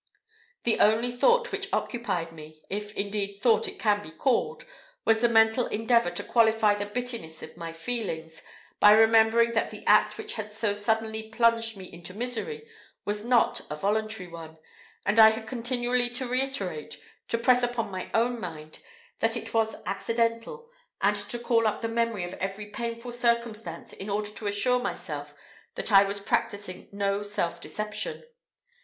The only thought which occupied me if, indeed, thought it can be called, was the mental endeavour to qualify the bitterness of my feelings, by remembering that the act which had so suddenly plunged me into misery was not a voluntary one; and I had continually to reiterate, to press upon my own mind, that it was accidental, and to call up the memory of every painful circumstance, in order to assure myself that I was practising no self deception.